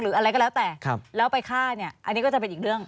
หรืออะไรก็แล้วแต่ครับแล้วไปฆ่าอันนี้ก็จะเป็นอีกเรื่อง